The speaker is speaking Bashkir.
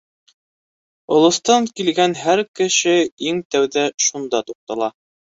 Олостан килгән һәр кеше иң тәүҙә шунда туҡтала.